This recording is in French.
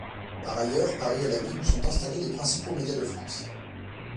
Par ailleurs, Paris est la ville où sont installés les principaux médias de France.